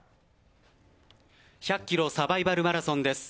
１００ｋｍサバイバルマラソンです。